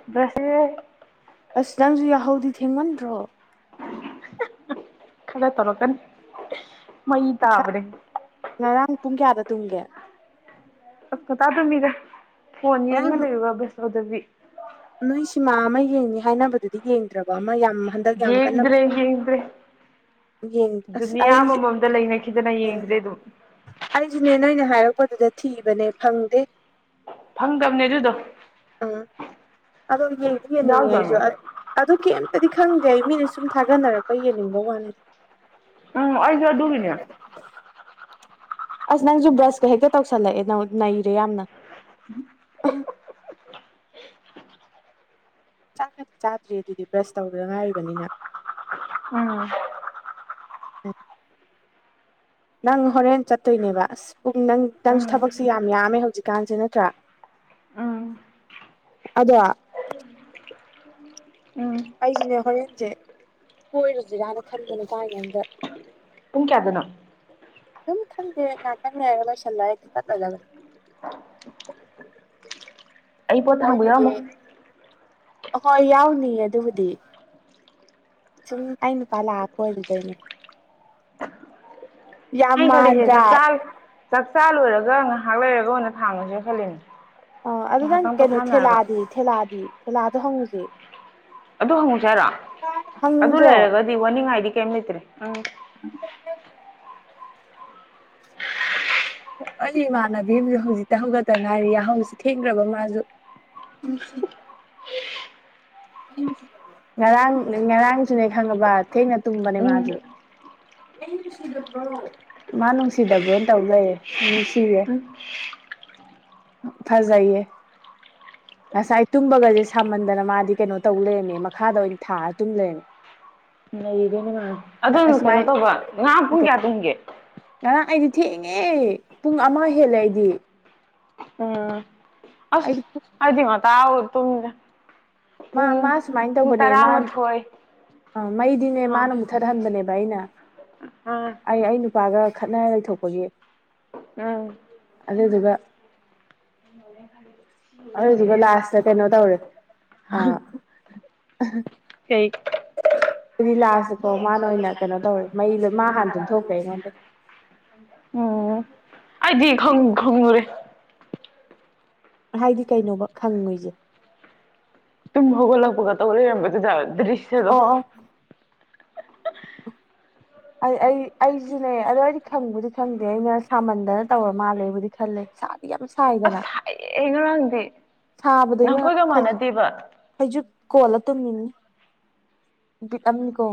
[unintelligible] ꯑꯁ ꯅꯪꯁꯨ ꯌꯥꯍꯧꯗꯤ ꯊꯦꯡꯃꯟꯗ꯭ꯔꯣ ꯈꯔ ꯇꯧꯔꯛꯀꯅꯤ ꯃꯩ ꯇꯥꯕꯅꯦ ꯉꯔꯥꯡ ꯄꯨꯡ ꯀꯌꯥꯗ ꯇꯨꯝꯒꯦ ꯑꯁ ꯀꯀꯥ ꯇꯨꯝꯃꯤꯗ ꯐꯣꯟ ꯌꯦꯡꯉ ꯉꯔꯥꯡ ꯂꯩꯌꯨꯕ ꯕ꯭ꯔꯁ ꯇꯧꯗꯕꯤ ꯅꯣꯏ ꯁꯤꯃꯥ ꯑꯃ ꯌꯦꯡꯉꯦ ꯍꯥꯏꯅꯕꯗꯨꯗꯤ ꯌꯦꯡꯗ꯭ꯔꯕꯤ ꯑꯃ ꯌꯥꯝ ꯍꯟꯗꯛ ꯌꯥꯝ ꯀꯟꯅ ꯌꯦꯡꯗ꯭ꯔꯦ ꯌꯦꯡꯗ꯭ꯔꯦ ꯌꯦꯡ ꯑꯁ ꯗꯨꯅꯤꯌꯥ ꯑꯩ ꯑꯃꯃꯝꯗ ꯂꯩꯅꯈꯤꯗꯅ ꯑ ꯌꯦꯡꯗ꯭ꯔꯦ ꯑꯗꯨꯝ ꯑꯩꯁꯨꯅꯦ ꯅꯣꯏꯅ ꯍꯥꯏꯔꯛꯄꯗꯨꯗ ꯊꯤꯕꯅꯦ ꯐꯪꯗꯦ ꯐꯪꯗꯕꯅꯦ ꯑꯗꯨꯗꯣ ꯑ ꯑꯗꯣ ꯌꯦꯡꯗꯤ ꯌꯦꯡꯅꯤꯡ ꯉꯦ ꯑꯩꯁꯨ ꯌꯥꯎꯖꯥꯠꯅꯤ ꯑꯗꯨ ꯀꯩꯝꯇꯗꯤ ꯈꯪꯗꯦ ꯑꯩ ꯃꯤꯅ ꯁꯨꯝ ꯊꯥꯒꯠꯅꯔꯛꯄ ꯌꯦꯡꯅꯤꯡꯕ ꯋꯥꯅꯤꯗꯤ ꯎꯝ ꯑꯩꯁꯨ ꯑꯗꯨꯒꯤꯅꯦ ꯑꯁ ꯅꯪꯁꯨ ꯕ꯭ꯔꯁꯀ ꯍꯦꯛꯇ ꯇꯧꯁꯜꯂꯛꯑꯦ ꯅꯩꯔꯦ ꯌꯥꯝꯅ ꯆꯥꯛꯀ ꯆꯥꯗ꯭ꯔꯦ ꯑꯗꯨꯗꯤ ꯕ꯭ꯔꯁ ꯇꯧꯗ ꯉꯥꯏꯔꯤꯕꯅꯤꯅ ꯎꯝ ꯅꯪ ꯍꯣꯔꯦꯟ ꯆꯠꯇꯣꯏꯅꯦꯕ ꯑꯁ ꯄꯨꯡ ꯅꯪ ꯅꯪꯁꯨ ꯎꯝ ꯊꯕꯛꯁꯦ ꯌꯥꯝ ꯌꯥꯝꯃꯦ ꯍꯧꯖꯤꯛꯀꯥꯟꯁꯦ ꯅꯠꯇ꯭ꯔꯥ ꯎꯝ ꯑꯗꯣ ꯎꯝ ꯑꯩꯁꯤꯅꯦ ꯍꯣꯔꯦꯟꯁꯦ ꯀꯣꯏꯔꯨꯁꯤꯔꯅ ꯈꯟꯕꯅꯦ ꯇꯥꯏꯉꯣꯟꯗ ꯄꯨꯡ ꯀꯌꯗꯅꯣ ꯑꯗꯨꯝ ꯈꯪꯗꯦ ꯉꯥꯇꯪ ꯂꯩꯔ ꯂꯣꯏꯁꯤꯜꯂ ꯆꯠꯂꯗꯧꯅꯤ ꯑꯩ ꯄꯣꯠ ꯊꯥꯡꯕ ꯌꯥꯎꯔꯝꯃꯣ [unintelligible] ꯍꯣꯏ ꯌꯥꯎꯅꯤꯌꯦ ꯑꯗꯨꯕꯨꯗꯤ ꯁꯨꯝ ꯑꯩ ꯅꯨꯄꯥ ꯂꯥꯛꯑ ꯀꯣꯏꯔꯨꯗꯣꯏꯅꯦ ꯌꯥꯝ ꯑꯩꯅ ꯈꯜꯂꯤꯁꯦ ꯃꯥꯟꯗ꯭ꯔꯥ ꯆꯥꯛꯆꯥ ꯆꯥꯛꯆꯥ ꯂꯣꯏꯔꯒ ꯉꯥꯏꯍꯥꯛ ꯂꯩꯔꯒ ꯑꯣꯏꯅ ꯊꯥꯡꯉꯁꯦꯅ ꯈꯜꯂꯤꯅꯦ ꯑ ꯑꯗꯨ ꯅꯪ ꯉꯥꯏꯍꯥꯛꯇꯪ ꯀꯩꯅꯣ ꯄꯣꯊꯥꯅꯔꯒ ꯊꯦꯂꯥꯗꯤ ꯊꯦꯂꯥꯗꯤ ꯊꯦꯂꯥꯗ ꯍꯪꯉꯨꯁꯦ ꯑꯗꯨ ꯍꯪꯉꯨꯁꯦ ꯍꯥꯏꯔꯤꯔꯣ ꯑꯗꯨ ꯍꯪꯅꯤꯡꯗ꯭ꯔꯣ ꯂꯩꯔꯒꯗꯤ ꯋꯥꯅꯤꯡꯉꯥꯏꯗꯤ ꯀꯩꯝ ꯂꯩꯇ꯭ꯔꯦ [unintelligible] ꯑꯩ ꯏꯃꯥꯟꯅꯕꯤ ꯑꯃꯁꯁꯨ ꯍꯧꯖꯤꯛꯇ ꯍꯧꯒꯠꯇ ꯉꯥꯏꯔꯤ ꯌꯥꯍꯧꯁꯤ ꯊꯦꯡꯈ꯭ꯔꯕ ꯃꯥꯁꯨ ꯑꯁ ꯉꯔꯥꯡ ꯉꯔꯥꯡꯁꯨꯅꯦ ꯈꯪꯉꯕ ꯊꯦꯡꯅ ꯇꯨꯝꯕꯅꯦ ꯎꯝ ꯃꯥꯁꯨ [unintelligible] ꯃꯥ ꯅꯨꯡꯁꯤꯗꯕ꯭ꯔꯣꯅ ꯇꯧꯖꯩꯌꯦ ꯅꯨꯡꯁꯤꯌꯦ [unintelligible] ꯐꯖꯩꯌꯦ ꯉꯁꯥꯏ ꯇꯨꯝꯕꯒꯁꯦ ꯁꯥꯃꯟꯗꯅ ꯃꯥꯗꯤ ꯀꯩꯅꯣ ꯇꯧ ꯂꯩꯔꯝꯃꯦ ꯃꯈꯥꯗ ꯑꯣꯏꯅ ꯊꯥꯔ ꯇꯨꯝ ꯂꯩꯔꯝꯃꯦ [unintelligible] ꯃꯥꯗꯤ ꯑꯗꯨꯅ ꯑꯁꯨꯃꯥꯏ ꯀꯩꯅꯣ ꯇꯧꯕ ꯉꯍꯥ ꯄꯨꯡ ꯀꯌꯥ ꯇꯣꯡꯍꯒꯦ ꯑꯥ ꯑꯩꯗꯤ ꯊꯦꯛꯉꯦ ꯄꯨꯡ ꯑꯃ ꯍꯦꯜꯂꯦ ꯑꯩꯗꯤ ꯎꯝ ꯑꯁ ꯑꯩꯗꯤ ꯑꯩꯗꯤ ꯉꯟꯇ ꯑꯣꯏꯅ ꯇꯨꯝꯃꯦꯗꯥ ꯃꯥ ꯃꯥ ꯁꯨꯃꯥꯏꯅ ꯇꯧꯕꯅꯦ ꯃꯥ ꯑ ꯃꯩꯗꯤꯅꯦ ꯃꯥꯅ ꯃꯨꯛꯊꯠꯍꯟꯕꯅꯦꯕ ꯑꯩꯅ ꯎꯝ ꯑꯩ ꯑꯩ ꯅꯨꯄꯥꯒ ꯈꯠꯅꯔ ꯂꯩꯊꯣꯛꯄꯒꯤ ꯎꯝ ꯑꯗꯨꯗꯨꯒ [inaudible] ꯑꯗꯨꯗꯨꯒ ꯂꯥꯁꯇ ꯀꯩꯅꯣ ꯇꯧꯔꯦ ꯑ ꯀꯩ [unintelligible] ꯂꯥꯁꯇꯀꯣ ꯃꯥꯅ ꯑꯣꯏꯅ ꯀꯩꯅꯣ ꯇꯧꯔꯦ ꯃꯩ ꯃꯥ ꯍꯥꯟꯅ ꯇꯨꯝꯊꯣꯛꯈ꯭ꯔꯦ ꯑꯩꯉꯣꯟꯗꯩ ꯎꯝ ꯑꯩꯗꯤ ꯈꯪ [unintelligible] ꯍꯥꯏꯗꯤ ꯀꯩꯅꯣꯕ ꯈꯪꯉꯤꯁꯦ ꯇꯨꯝ ꯍꯧꯒꯠꯂꯛꯄꯒ ꯇꯧꯒ ꯂꯩꯔꯝꯕꯗꯨ꯭ꯔꯤ ꯑꯣ ꯑꯣ ꯑꯩ ꯑꯩ ꯑꯩꯁꯨꯅꯦ ꯑꯗꯨꯗꯣ ꯑꯩꯗꯤ ꯈꯪꯕꯨꯗꯤ ꯈꯪꯗꯦ ꯑꯩꯅ ꯁꯥꯃꯟꯗꯅ ꯇꯧꯔ ꯃꯥꯜꯂꯦꯕꯨꯗꯤ ꯈꯜꯂꯦ ꯁꯥꯗꯤ ꯌꯥꯝ ꯁꯥꯏꯗꯅ ꯑꯩ ꯑꯩ ꯉꯔꯥꯡꯗꯤ ꯅꯈꯣꯏꯒ ꯃꯥꯟꯅꯗꯦꯕ ꯐꯩꯖꯨꯠ ꯀꯣꯜꯂ ꯇꯨꯝꯃꯤꯅꯤ ꯏꯄꯤꯛ ꯑꯃꯅꯤꯀꯣ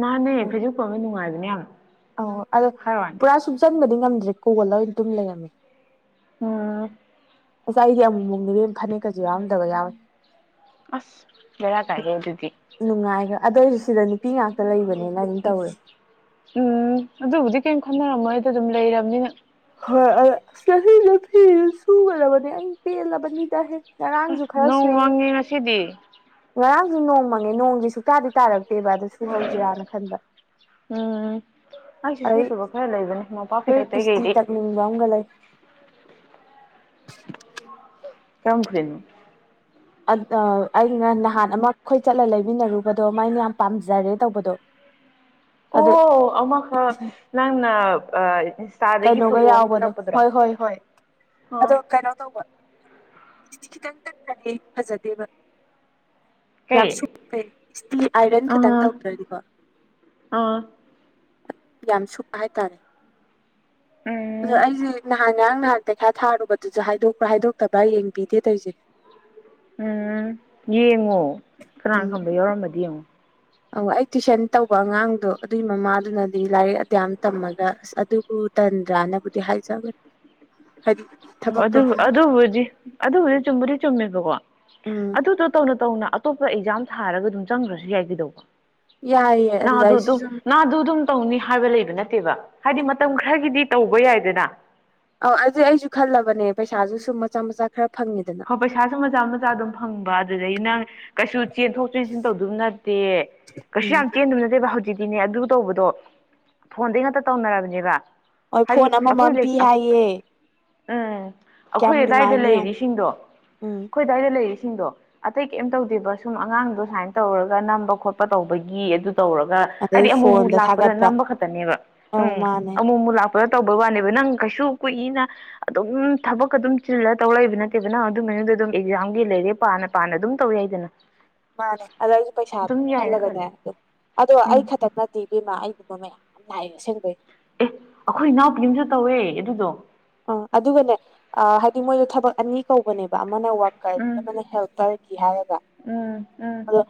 ꯃꯥꯟꯅꯦ ꯐꯩꯖꯨꯞ ꯀꯣꯟꯕ ꯅꯨꯡꯉꯥꯏꯕꯅꯦ ꯌꯥꯝ ꯑ ꯑꯗꯣ ꯍꯥꯏ ꯋꯥꯅꯦ ꯄꯨꯔꯥ ꯁꯨꯡꯆꯟꯕꯗꯤ ꯉꯝꯗ꯭ꯔꯦ ꯀꯣꯒꯜ ꯑꯣꯏ ꯇꯨꯝ ꯂꯩꯔꯝꯃꯤ ꯎꯝ ꯑꯁ ꯑꯩꯗꯤ ꯑꯃꯨꯛꯃꯨꯛꯅꯤꯕꯦꯝ ꯐꯅꯦꯛꯀꯁꯨ ꯌꯥꯎꯔꯝꯗꯕ ꯌꯥꯎꯔ ꯑꯁ ꯕꯦꯔꯥ ꯀꯥꯏꯍꯦ ꯑꯗꯨꯗꯤ ꯅꯨꯡꯉꯥꯏꯒꯔ ꯑꯗꯨꯑꯣꯏꯁꯨ ꯁꯤꯗ ꯅꯨꯄꯤ ꯉꯥꯛꯇ ꯂꯩꯕꯅꯦꯅ ꯑꯗꯨꯝ ꯇꯧꯋꯦ ꯎꯝ ꯑꯗꯨꯕꯨꯗꯤ ꯀꯩꯝ ꯈꯣꯟꯅꯔꯝꯃꯣꯏꯗ ꯑꯗꯨꯝ ꯂꯩꯔꯕꯅꯤꯅ ꯍꯣꯏ ꯆꯁꯤꯗ ꯐꯤ ꯁꯨꯒꯗꯕꯅꯦ ꯑꯩ ꯄꯦꯜꯂꯕꯅꯤꯗ ꯍꯦꯛ ꯅꯣꯡ ꯋꯥꯉꯉꯦ ꯉꯁꯤꯗꯤ ꯉꯔꯥꯡꯁꯨ ꯅꯣꯡꯃꯉꯦ ꯅꯣꯡꯁꯦ ꯁꯨꯛꯇꯥꯗꯤ ꯇꯥꯔꯛꯇꯦꯕ ꯑꯗꯨ ꯁꯨꯍꯧꯁꯤꯔꯥꯅ ꯈꯟꯕ ꯎꯝ ꯑꯩꯁꯨ ꯑꯗꯩ ꯁꯨꯗꯕ ꯈꯔ ꯂꯩꯕꯅꯦ ꯃꯄꯥꯛꯄꯤꯗꯇꯩꯩꯈꯩꯗꯤ ꯎꯝ ꯋꯥꯕ ꯂꯩ [unintelligible] ꯑꯩꯅ ꯅꯍꯥꯟ ꯑꯃ ꯑꯩꯈꯣꯏ ꯆꯠꯂ ꯂꯩꯃꯤꯟꯅꯔꯨꯕꯗꯣ ꯃꯥꯏꯅ ꯌꯥꯝ ꯄꯥꯝꯖꯔꯦ ꯇꯧꯕꯗꯣ [inaudible] ꯑꯣ ꯑꯃ ꯈꯛ ꯅꯪꯅ ꯏꯟꯁꯇꯥꯗꯒꯤ ꯀꯩꯅꯣꯒ ꯐꯣꯇꯣ ꯑꯃ ꯌꯥꯎꯕꯗꯣ ꯊꯥꯔꯛꯄꯗꯨꯔꯣ ꯍꯣꯏ ꯍꯣꯏ ꯍꯣꯏ ꯑ ꯑꯥ ꯀꯩꯅꯣ ꯇꯧꯕ ꯈꯤꯇꯪ ꯇꯠꯀꯅꯤ ꯐꯖꯗꯦꯕ ꯌꯥꯝ ꯀꯩ ꯁꯨꯄꯦ ꯏꯁꯇꯤ ꯑꯥꯏꯔꯟ ꯈꯤꯇꯪ ꯑꯥ ꯇꯧꯗ꯭ꯔꯗꯤꯀꯣ ꯑꯥ ꯌꯥꯝ ꯁꯨꯞꯄ ꯍꯥꯏꯇꯥꯔꯦ ꯑꯗꯣ ꯎꯝ ꯑꯩꯁꯦ ꯅꯍꯥꯟ ꯉꯍꯥꯡ ꯅꯍꯥꯛ ꯄꯩꯈꯔ ꯊꯥꯔꯨꯕꯗꯨꯁꯨ ꯍꯥꯏꯗꯣꯛꯄ꯭ꯔꯥ ꯍꯥꯏꯗꯣꯛꯇꯕ꯭ꯔꯥ ꯌꯦꯡꯕꯤꯗꯦ ꯇꯧꯁꯦ ꯎꯝ ꯌꯦꯡꯉꯣ ꯀꯅꯥ ꯈꯪꯕ ꯌꯥꯎꯔꯃꯗꯤ ꯌꯦꯡꯉꯣ [inaudible] ꯑꯣ ꯑꯩ ꯇꯨꯏꯁꯟ ꯇꯧꯕ ꯑꯉꯥꯡꯗꯣ ꯑꯗꯨꯒꯤ ꯃꯃꯥꯗꯨꯅꯗꯤ ꯂꯥꯏꯔꯤꯛ ꯑꯇꯝ ꯇꯝꯃꯒ ꯑꯁ ꯑꯗꯨꯕꯨ ꯇꯟ ꯔꯅꯕꯨꯗꯤ ꯍꯥꯏꯖꯒ ꯑꯣ ꯑꯗꯨ ꯑꯗꯨꯕꯨꯗꯤ ꯑꯗꯨꯕꯨꯗꯤ ꯆꯨꯝꯕꯨꯗꯤ ꯆꯨꯝꯃꯦꯕꯀꯣ ꯎꯝ ꯑꯗꯨꯗꯣ ꯇꯧꯅ ꯇꯧꯅ ꯑꯇꯣꯞꯄ ꯑꯦꯛꯖꯥꯝ ꯊꯥꯔꯒ ꯑꯗꯨꯝ ꯆꯪꯈ꯭ꯔꯁꯨ ꯌꯥꯏ ꯀꯩꯗꯧꯕ ꯌꯥꯏꯌꯦ ꯅꯅꯥ ꯑꯗꯨꯗ ꯑꯩꯁꯨ ꯑꯗꯨꯗꯝ ꯁꯨꯝ ꯅꯅꯥꯗꯨꯗꯝ ꯇꯧꯅꯤ ꯍꯥꯏꯕ ꯂꯩꯕ ꯅꯠꯇꯦꯕ ꯍꯥꯏꯗꯤ ꯃꯇꯝ ꯈꯔꯒꯤꯗꯤ ꯇꯧꯕ ꯌꯥꯏꯗꯅ ꯑꯧ ꯑꯗꯨꯗꯤ ꯑꯩꯁꯨ ꯈꯜꯂꯕꯅꯦ ꯄꯩꯁꯥꯁꯨ ꯁꯨꯝ ꯃꯆꯥ ꯃꯆꯥ ꯈꯔ ꯐꯪꯉꯤꯗꯅ ꯍꯣꯏ ꯄꯩꯁꯥꯁꯨ ꯃꯆꯥ ꯃꯆꯥ ꯑꯗꯨꯝ ꯐꯪꯕ ꯑꯗꯨꯗꯒꯤ ꯅꯪ ꯀꯩꯁꯨ ꯆꯦꯟꯊꯣꯛ ꯆꯦꯟꯁꯤꯟ ꯇꯧꯗꯕ ꯅꯠꯇꯦ ꯀꯩꯁꯨ ꯎꯝ ꯌꯥꯝ ꯆꯦꯟꯗꯕ ꯅꯠꯇꯦ ꯑꯗꯨꯦꯕ ꯍꯧꯖꯤꯛꯇꯤꯅꯦ ꯑꯗꯨ ꯇꯧꯕꯗꯣ ꯐꯣꯟꯗ ꯉꯥꯛꯇ ꯇꯧꯅꯔꯕꯅꯦꯕ ꯍꯣꯏ ꯍꯥꯏꯗꯤ ꯐꯣꯟ ꯑꯩꯈꯣꯏ ꯑꯃꯃꯝ ꯄꯤ ꯍꯥꯏꯌꯦ ꯎꯝ ꯀꯌꯥꯝ ꯑꯩꯈꯣꯏ ꯑꯗꯥꯏꯗ ꯅꯨꯡꯉꯥꯏꯅꯤ ꯌꯦꯡꯉꯣ ꯂꯩꯔꯤꯁꯤꯡꯗꯣ ꯎꯝ ꯑꯩꯈꯣꯏꯗꯋꯥꯏ ꯂꯩꯔꯤꯁꯤꯡꯗꯣ ꯑꯇꯩ ꯀꯩꯝ ꯇꯧꯗꯦꯕ ꯁꯨꯝ ꯑꯉꯥꯡꯗꯣ ꯁꯨꯃꯥꯏꯅ ꯇꯧꯔꯒ ꯅꯝꯕ ꯈꯣꯠꯄ ꯇꯧꯕꯒꯤ ꯑꯗꯨ ꯇꯧꯔꯒ ꯑꯗꯩ ꯍꯥꯏꯗꯤ ꯑꯃꯨꯃꯨ ꯐꯣꯟꯗ ꯂꯥꯛꯄꯗ ꯊꯥꯒꯠꯄ ꯅꯝꯕ ꯈꯛꯇꯅꯦꯕ ꯑꯧ ꯎꯝ ꯃꯥꯅꯦ ꯑꯃꯨꯃꯨ ꯂꯥꯛꯄ ꯈꯔ ꯇꯧꯕꯩ ꯋꯥꯅꯦꯕ ꯅꯪ ꯀꯩꯁꯨ ꯀꯨꯏꯅ ꯑꯗꯨꯝ ꯊꯕꯛ ꯑꯗꯨꯝ ꯆꯤꯜꯂ ꯇꯧꯔꯛꯏꯕ ꯅꯠꯇꯦꯕ ꯑꯗꯨꯅ ꯑꯗꯨ ꯃꯅꯨꯡꯗ ꯑꯗꯨꯝ ꯑꯦꯛꯖꯥꯝꯒꯤ ꯂꯩꯔꯦ ꯄꯅ ꯄꯥꯅ ꯑꯗꯨꯝ ꯇꯧ ꯌꯥꯏꯗꯅ ꯃꯥꯅꯦ ꯑꯗꯣ ꯑꯩꯒꯤ ꯄꯩꯁꯥ ꯑꯗꯨꯝ ꯌꯥꯏꯅ ꯈꯜꯂꯦ ꯈꯜꯂꯒꯅꯦ ꯑꯗꯨ ꯑꯗꯣ ꯑꯩ ꯎꯝ ꯈꯛꯇ ꯗꯤ ꯕꯤꯦꯃꯥ ꯑꯩꯒꯨꯝꯕ ꯃꯌꯥꯝ ꯂꯥꯛꯑꯦ ꯑꯁꯦꯡꯕꯩ ꯑꯦ ꯑꯩꯈꯣꯏ ꯏꯅꯥꯎ ꯄꯨꯅꯤꯡꯁꯨ ꯇꯧꯋꯦ ꯑꯗꯨꯗꯣ ꯑꯥ ꯑꯗꯨꯒꯅꯦ ꯑ ꯍꯥꯏꯗꯤ ꯃꯣꯏꯗꯣ ꯊꯕꯛ ꯑꯅꯤ ꯀꯧꯕꯅꯦꯕ ꯑꯃꯅ ꯋꯥꯔꯀꯔꯒꯤ ꯎꯝ ꯑꯃꯅ ꯍꯦꯜ ꯀꯔꯒꯤ ꯍꯥꯏꯔꯒ ꯎꯝ ꯎꯝ ꯑꯣ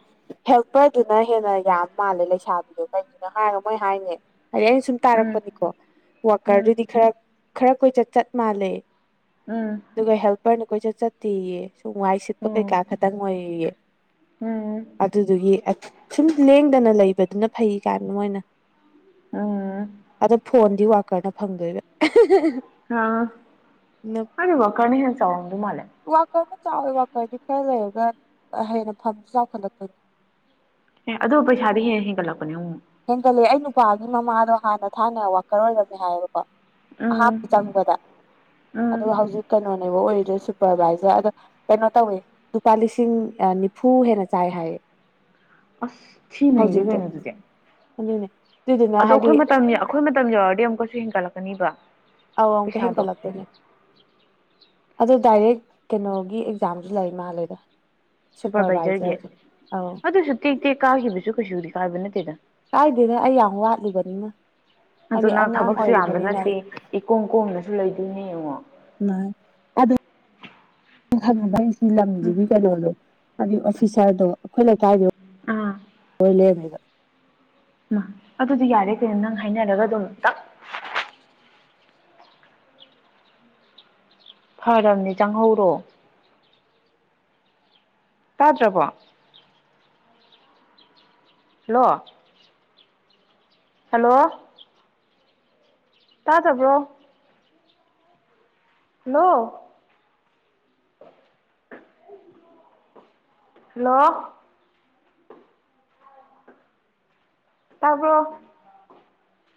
ꯍꯦꯜꯄꯔꯗꯨꯅ ꯍꯦꯟꯅ ꯌꯥꯝ ꯃꯥꯜꯂꯦ ꯂꯩꯁꯥꯕꯤꯗꯣ ꯀꯩꯒꯤꯅꯣ ꯍꯥꯏꯔꯒ ꯃꯣꯏ ꯍꯥꯏꯅꯦ ꯍꯥꯏꯗꯤ ꯑꯩꯅ ꯁꯨꯝ ꯎꯝ ꯇꯥꯔꯛꯄꯅꯤꯀꯣ ꯎꯝ ꯋꯥꯀꯔꯗꯨꯗꯤ ꯈꯔ ꯈꯔ ꯀꯣꯏꯆꯠ ꯆꯠ ꯃꯥꯜꯂꯦ ꯎꯝ ꯑꯗꯨꯒ ꯍꯦꯜꯄꯔꯅ ꯀꯣꯏꯁꯠ ꯆꯠꯇꯌꯦ ꯁꯣꯡꯋꯥꯏ ꯁꯤꯠꯄ ꯀꯩꯀꯥ ꯎꯝ ꯈꯛꯇꯪ ꯑꯣꯏꯌꯦ ꯎꯝ ꯎꯝ ꯑꯗꯨꯗꯨꯒꯤ ꯁꯨꯝ ꯂꯦꯡꯗꯅ ꯂꯩꯕꯗꯨꯅ ꯐꯩ ꯀꯥꯏꯅ ꯃꯣꯏꯅ ꯑꯗꯣ ꯐꯣꯟꯗꯤ ꯋꯥꯀꯔꯅ ꯐꯪꯗꯣꯏꯕ ꯑ ꯑꯗ ꯋꯥ ꯀꯅꯤ ꯍꯦ ꯆꯗꯨ ꯃꯥꯂ ꯋꯥꯀꯔꯅ ꯆꯥꯎꯋꯦ ꯋꯥꯀꯔꯗꯤ ꯈꯔ ꯂꯩꯔꯒ ꯍꯦꯟꯅ ꯐꯝꯁꯨ ꯆꯥꯎꯈꯠꯂꯛꯄꯅꯤ ꯑꯦ ꯑꯗꯨ ꯄꯩꯁꯥꯗꯤ ꯍꯦꯟ ꯍꯦꯟꯒꯠꯂꯛꯄꯅꯦ ꯑꯃꯨꯛ ꯍꯦꯟꯒꯠꯂꯦ ꯑꯩ ꯅꯨꯄꯥꯒꯤ ꯃꯃꯥꯗꯣ ꯍꯥꯟꯅ ꯊꯥꯅ ꯋꯥꯀꯔ ꯑꯣꯏꯔꯝꯃꯦ ꯍꯥꯏꯕꯀꯣ ꯎꯝ ꯑꯍꯥꯟꯕ ꯆꯪꯕꯗ ꯎꯝ ꯑꯗ ꯍꯧꯖꯤꯛ ꯀꯩꯅꯣꯅꯦꯕ ꯑꯣꯏꯔꯤꯗꯣꯏ ꯁꯨꯄꯔꯚꯥꯏꯖꯔ ꯑꯗꫭ ꯀꯩꯅꯣ ꯇꯧꯋꯦ ꯂꯨꯄꯥ ꯂꯤꯁꯤꯡ ꯅꯤꯐꯨ ꯍꯦꯟꯅ ꯆꯥꯏ ꯍꯥꯏꯌꯦ ꯑꯁ ꯊꯤꯅꯩꯔꯦ ꯍꯧꯖꯤꯛꯇꯣ ꯀꯩꯅꯣ ꯑꯗꯨꯗꯤ ꯑꯗꯨꯅꯦ ꯑꯗꯨꯗꯨꯅ ꯑꯗꯣ ꯍꯥꯏꯗꯤ ꯑꯩꯈꯣꯏ ꯃꯇꯝ ꯑꯩꯈꯣꯏ ꯃꯇꯝ ꯌꯧꯔꯗꯤ ꯑꯃꯨꯛꯀꯁꯨ ꯍꯦꯟꯒꯠꯂꯛꯀꯅꯤꯕ ꯑꯥꯎ ꯑꯃꯨꯀ ꯍꯦꯟꯒꯠ ꯄꯩꯁꯥꯗꯣ ꯂꯥꯛꯇꫭꯏꯅꯤ ꯑꯗ ꯗꯥꯏꯔꯦꯛ ꯀꯩꯅꯣꯒꯤ ꯑꯦꯛꯖꯥꯝꯁꯨ ꯂꯩ ꯃꯥꯜꯂꯗ ꯁꯨꯄꯔꯚꯥꯏꯖꯔꯒꯤ ꯑꯧ ꯑꯗꯨꯁꯨ ꯇꯦ ꯇꯦꯛ ꯀꯥꯈꯤꯕꯁꯨ ꯀꯩꯁꯨꯗꯤ ꯀꯥꯏꯕ ꯅꯠꯇꯦꯗ ꯀꯥꯏꯗꯦꯅ ꯑꯩ ꯌꯥꯝ ꯋꯥꯠꯂꯤꯕꯅꯤꯅ ꯑꯗꯨ ꯍꯥꯏꯗꯤ ꯅꯪ ꯑꯉꯥꯡ ꯊꯕꯛꯁꯨ ꯌꯥꯝꯕ ꯑꯣꯏꯔꯤꯕꯅꯤꯅ ꯅꯠꯇꯦ ꯑꯩ ꯏꯀꯣꯝ ꯀꯣꯝꯅꯁꯨ ꯂꯩꯗꯣꯏꯅꯦ ꯌꯦꯡꯉꯣ ꯑꯪꯕ ꯁꯤ ꯎꯝ ꯂꯝꯁꯤꯒꯤ ꯀꯩꯅꯣꯗꯣ ꯍꯥꯏꯗꯤ ꯑꯣꯐꯤꯁꯥꯔꯗꯣ ꯑꯩꯈꯣꯏ ꯂꯩꯀꯥꯏꯗꯨ ꯑꯥ ꯂꯣꯏ ꯂꯩꯔꯃꯦꯕ ꯑꯗꯨꯗꯤ ꯌꯥꯔꯦ ꯀꯩꯅꯣ ꯅꯪ ꯍꯥꯏꯅꯔꯒ ꯑꯗꯨꯝ ꯇꯞ ꯐꯔꯕꯅꯦ ꯆꯪꯍꯧꯔꯣ ꯇꯥꯗ꯭ꯔꯕꯣ ꯍꯂꯣ ꯍꯜꯂꯣ ꯇꯥꯗꯕ꯭ꯔꯣ ꯍꯂꫭ ꯍꯜꯂꯣ ꯇꯕ꯭ꯔꯣ